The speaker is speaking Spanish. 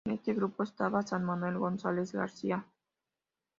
En este grupo estaba san Manuel González García.